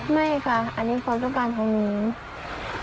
ไม่ค่ะอันนี้ความสุขกับช่วงนี้